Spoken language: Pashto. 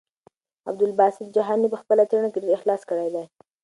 عبدالباسط جهاني په خپله څېړنه کې ډېر اخلاص کړی دی.